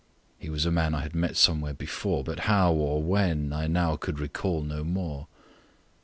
—He was a man I had met with somewhere before, But how or when I now could recall no more.